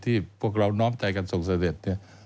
ที่พวกเราน้อมใจกันส่งเสด็จ